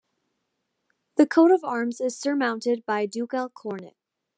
The coat of arms is surmounted by a ducal coronet.